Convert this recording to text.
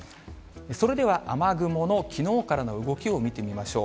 それでは雨雲のきのうからの動きを見てみましょう。